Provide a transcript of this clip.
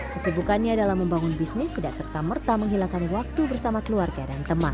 kesibukannya dalam membangun bisnis tidak serta merta menghilangkan waktu bersama keluarga dan teman